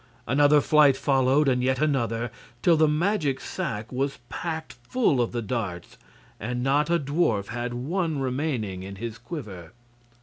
Another flight followed, and yet another, till the magic sack was packed full of the darts and not a dwarf had one remaining in his quiver.